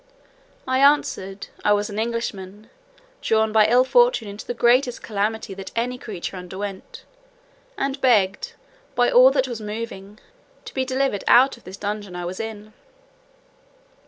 I answered, "I was an Englishman, drawn by ill fortune into the greatest calamity that ever any creature underwent, and begged, by all that was moving, to be delivered out of the dungeon I was in."